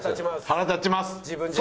腹立ちます！